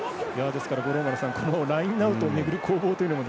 このラインアウトを巡る攻防というのも。